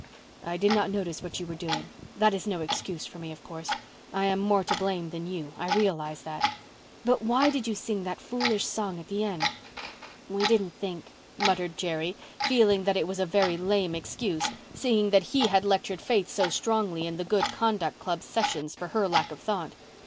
"I did not notice what you were doing. That is no excuse for me, of course. I am more to blame than you—I realize that. But why did you sing that foolish song at the end?" "We didn't think," muttered Jerry, feeling that it was a very lame excuse, seeing that he had lectured Faith so strongly in the Good Conduct Club sessions for her lack of thought.